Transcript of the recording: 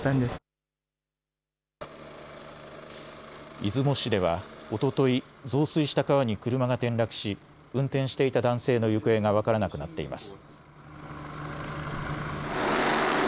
出雲市ではおととい、増水した川に車が転落し運転していた男性の行方が分からなくなっています。